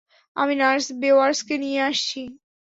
আমি নার্স বেওয়্যার্সকে নিয়ে আসছি!